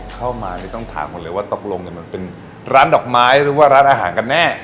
เข้ามานี่ต้องถามหมดเลยว่าตกลงมันเป็นร้านดอกไม้หรือว่าร้านอาหารกันแน่